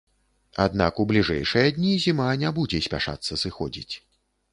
Аднак у бліжэйшыя дні зіма не будзе спяшацца сыходзіць.